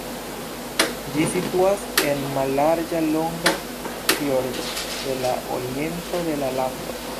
Ĝi situas en mallarĝa longa fjordo en la oriento de la lando.